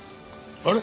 あれ？